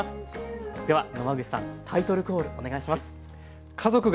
では野間口さんタイトルコールお願いします。